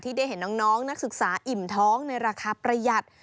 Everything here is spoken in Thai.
ได้เห็นน้องนักศึกษาอิ่มท้องในราคาประหยัด